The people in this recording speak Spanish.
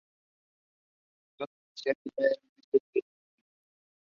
Entonces decían que yo era ‘medio derecho’ y ‘medio zurdo’.